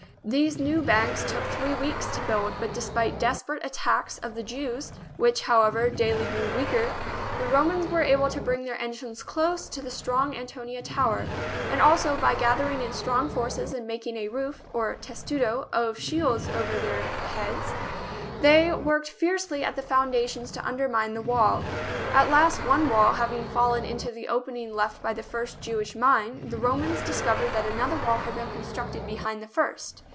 These new banks took three weeks to build, but despite desperate attacks of the Jews, which, however, daily grew weaker, the Romans were able to bring their engines close to the strong Antonia Tower; and also, by gathering in strong forces and making a roof, or testudo, of shields over their heads, they worked fiercely at the foundations to undermine the wall. At last, one wall having fallen into the opening left by the first Jewish mine, the Romans discov ered that another wall had been constructed behind the first.